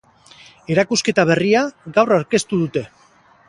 Erakusketa berria gaur aurkeztu dute.